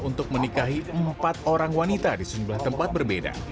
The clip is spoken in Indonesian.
untuk menikahi empat orang wanita di sejumlah tempat berbeda